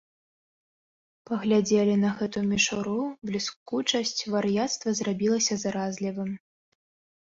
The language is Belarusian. Паглядзелі на гэту мішуру, бліскучасць, вар'яцтва зрабілася заразлівым.